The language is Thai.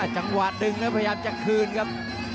จังหวะต่อยเดี๋ยวมันนี่แค่พยายามจะคืนครับ